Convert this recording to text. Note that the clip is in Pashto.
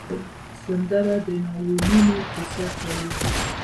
سندره د ناورینونو کیسه کوي